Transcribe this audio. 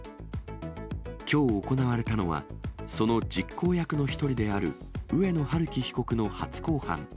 きょう行われたのは、その実行役の１人である上野晴生被告の初公判。